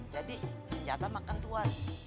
jadi senjata makan tua